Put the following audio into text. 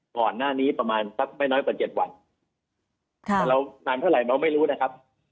ก่อนหน้านี้ประมาณสักไม่น้อยกว่าเจ็ดวันค่ะเรานานเท่าไหร่เราไม่รู้นะครับ